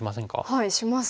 はいします。